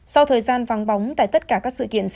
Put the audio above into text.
sau thời gian vắng bóng tại tất cả các sự kiện